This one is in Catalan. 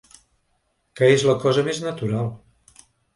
Que és la cosa més natural.